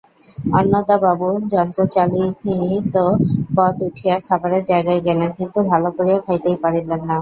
অন্নদাবাবু যন্ত্রচালিতবৎ উঠিয়া খাবারের জায়গায় গেলেন, কিন্তু ভালো করিয়া খাইতেই পারিলেন না।